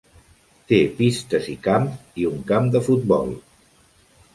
Té pistes i camps i un camp de futbol.